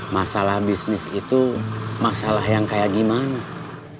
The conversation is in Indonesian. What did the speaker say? masalah bisnis itu masalah yang kayak gimana